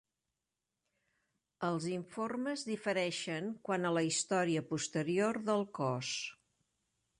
Els informes difereixen quant a la història posterior del cos.